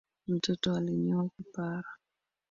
Mtoto alinyoa kipara